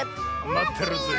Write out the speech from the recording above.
まってるよ！